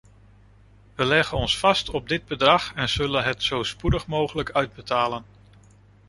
We leggen ons vast op dit bedrag en zullen het zo spoedig mogelijk uitbetalen.